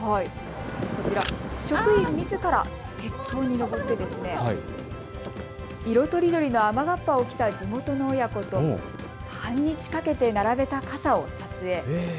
こちら、職員みずから鉄塔に上って色とりどりの雨がっぱを着た地元の親子と半日かけて並べた傘を撮影。